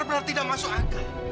benar benar tidak masuk akal